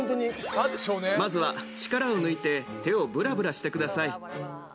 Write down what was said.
まずは力を抜いて手をぶらぶらしてください。